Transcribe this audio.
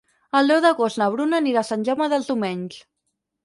El deu d'agost na Bruna anirà a Sant Jaume dels Domenys.